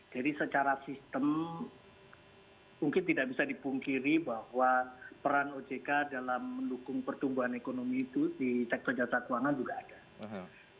jadi secara sistem mungkin tidak bisa dipungkiri bahwa peran ojk dalam mendukung pertumbuhan ekonomi itu di sektor jasa keuangan juga ada